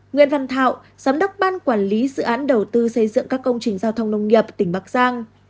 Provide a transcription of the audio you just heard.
nguyễn văn thảo giám đốc ban quản lý dự án đầu tư xây dựng các công trình giao thông nông nghiệp tỉnh bắc giang